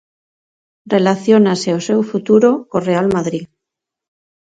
Relacionase o seu futuro co Real Madrid.